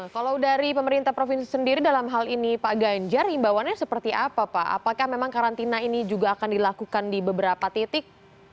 kalau dari pemerintah provinsi sendiri dalam hal ini pak ganjar himbawannya seperti apa pak apakah memang karantina ini juga akan dilakukan di beberapa titik